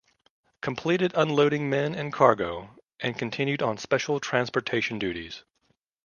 Completed unloading men and cargo and (continued on special transportation duties).